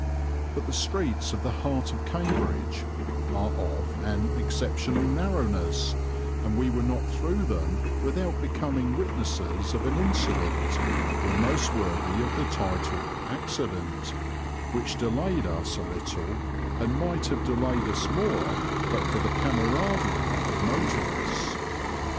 But the streets of the heart of Cambridge are of an exceptional narrowness, and we were not through them without becoming witnesses of an incident, almost worthy of the title accident, which delayed us a little and might have delayed us more but for the camaraderie of motorists.